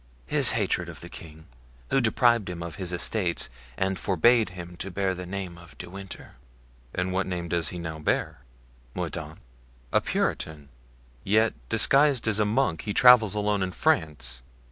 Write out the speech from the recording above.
"His hatred of the king, who deprived him of his estates and forbade him to bear the name of De Winter." "And what name does he now bear?" "Mordaunt." "A Puritan, yet disguised as a monk he travels alone in France."